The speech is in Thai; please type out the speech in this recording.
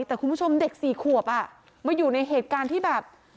แต่คุณผู้ชมเด็ก๔ขวบมาอยู่ในเหตุการณ์ที่แบบ